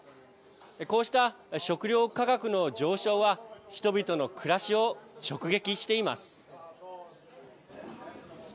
こうした食料価格の上昇は人々の暮らしを直撃しています。